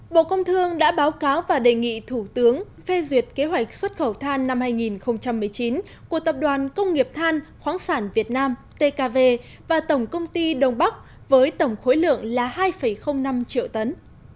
bộ công thương đã báo cáo và đề nghị thủ tướng phê duyệt kế hoạch xuất khẩu than năm hai nghìn một mươi chín của tập đoàn công nghiệp than khoáng sản việt nam tkv và tổng công ty đông bắc với tổng khối lượng là hai năm triệu tấn